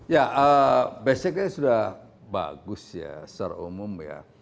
ya basicnya sudah bagus ya secara umum ya